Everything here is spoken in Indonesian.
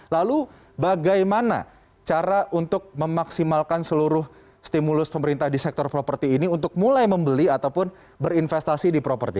lalu bagaimana cara untuk memaksimalkan seluruh stimulus pemerintah di sektor properti ini untuk mulai membeli ataupun berinvestasi di properti